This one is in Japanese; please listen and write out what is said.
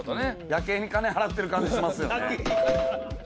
夜景に金払ってる感じしますよね。